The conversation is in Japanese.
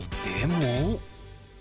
でも。